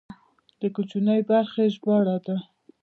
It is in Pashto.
د کوچنۍ برخې ژباړه ده.